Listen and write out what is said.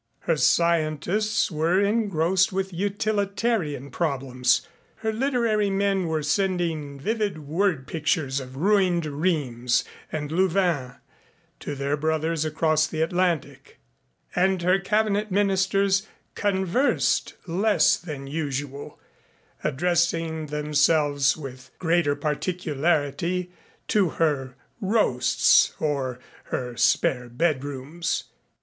Her scientists were engrossed with utilitarian problems. Her literary men were sending vivid word pictures of ruined Rheims and Louvain to their brothers across the Atlantic, and her Cabinet ministers conversed less than usual, addressing themselves with a greater particularity to her roasts or her spare bedrooms.